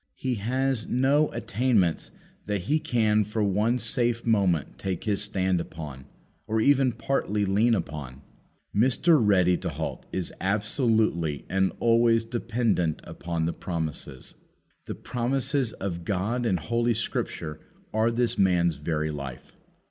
He has no attainments that he can for one safe moment take his stand upon, or even partly lean upon. Mr. Ready to halt is absolutely and always dependent upon the promises. The promises of God in Holy Scripture are this man's very life.